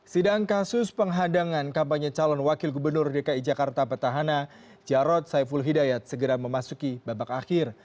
sidang kasus penghadangan kampanye calon wakil gubernur dki jakarta petahana jarod saiful hidayat segera memasuki babak akhir